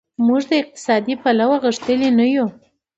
موږ له اقتصادي پلوه غښتلي نه یو.